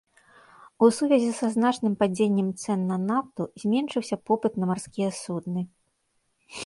У сувязі са значным падзеннем цэн на нафту зменшыўся попыт на марскія судны.